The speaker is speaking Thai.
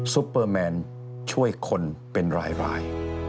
ซุปเปอร์แมนช่วยคนเป็นราย